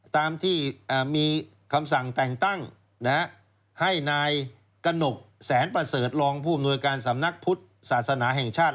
ตามที่มีคำสั่งแต่งตั้งให้นายกระหนกแสนประเสริฐรองผู้อำนวยการสำนักพุทธศาสนาแห่งชาติ